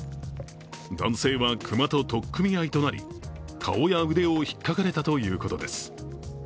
男性は熊と取っ組み合いとなり顔や腕をひっかかれたということです。